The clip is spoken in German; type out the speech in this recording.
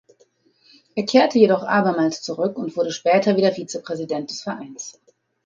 Er kehrte jedoch abermals zurück und wurde später wieder Vizepräsident des Vereins.